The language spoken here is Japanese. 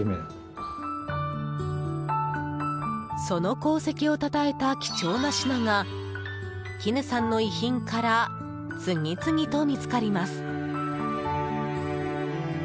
その功績を称えた貴重な品がきぬさんの遺品から次々と見つかります。